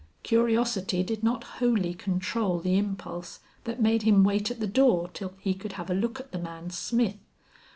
Curiosity did not wholly control the impulse that made him wait at the door till he could have a look at the man Smith.